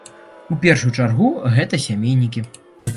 У першую чаргу гэта сямейнікі.